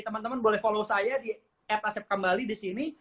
teman teman boleh follow saya di ataset kembali disini